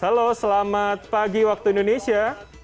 halo selamat pagi waktu indonesia